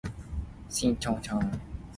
前世相欠債